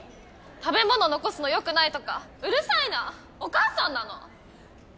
食べ物残すのよくないとかお母さんなの？